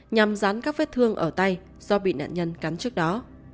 nhằm dán các vết thương ở tay do bị nạn nhân cắn trước đó